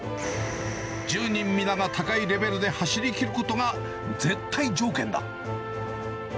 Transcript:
１０人皆が高いレベルで走りきることが絶対条件だ。